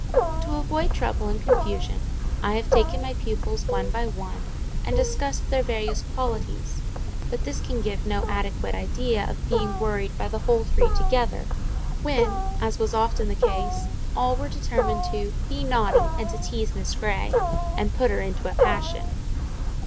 To avoid trouble and confusion, I have taken my pupils one by one, and discussed their various qualities; but this can give no adequate idea of being worried by the whole three together; when, as was often the case, all were determined to "be naughty, and to tease Miss Grey, and put her in a passion."